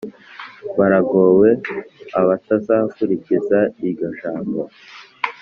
Baragowe abatazakurikiza iryo jambo,